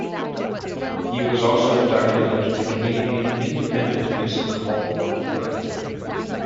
He was also inducted into the Canadian Independent Music Hall of Fame.